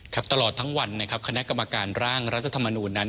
ตลอดทั้งวันนะครับคณะกรรมการร่างรัฐธรรมนูญนั้น